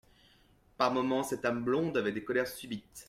Par moments, cette âme blonde avait des colères subites.